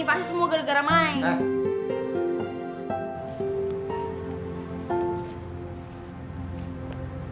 ini pasti semua gara gara main sama anak kampung itu